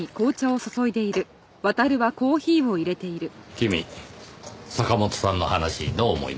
君坂本さんの話どう思いました？